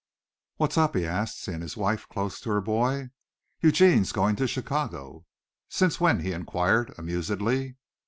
"What's up?" he asked, seeing his wife close to her boy. "Eugene's going to Chicago." "Since when?" he inquired amusedly.